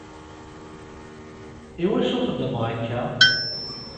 Iwacu xeddmeɣ akka?